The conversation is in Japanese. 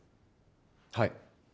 はい。